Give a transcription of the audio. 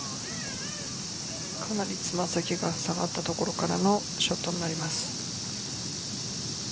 かなり爪先が下がった所からのショットになります。